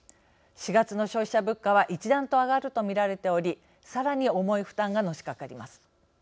４月の消費者物価は一段と上がると見られておりさらに重い負担がのしかかります。